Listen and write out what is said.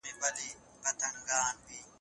د دولت د عایداتو کمښت لویه اندېښنه ده.